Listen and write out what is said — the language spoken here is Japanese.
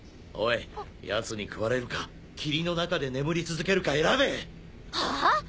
おいやつに食われるか霧の中で眠り続けるか選べ。はあ！？